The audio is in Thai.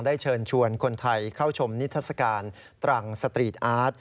เชิญชวนคนไทยเข้าชมนิทัศกาลตรังสตรีทอาร์ต